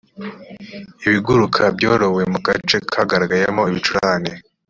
ibiguruka byorowe mu gace kagaragayemo ibicurane